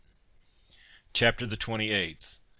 CHAPTER THE TWENTY EIGHTH.